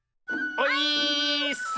オイーッス！